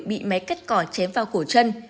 bị máy cắt cỏ chém vào cổ chân